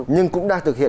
nhưng cũng đang thực hiện